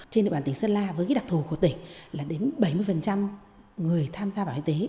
trên địa bàn tỉnh sơn la với đặc thù của tỉnh là đến bảy mươi người tham gia bảo hiểm y tế